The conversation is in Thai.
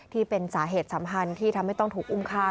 ที่เป็นสาเหตุสำคัญที่ทำให้ต้องถูกอุ้มฆ่า